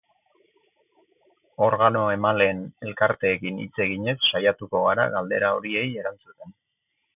Organo emaleen elkarteekin hitz eginez saiatuko gara galdera horiei erantzuten.